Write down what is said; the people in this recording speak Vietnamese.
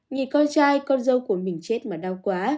nhìn con trai con dâu của mình chết mà đau quá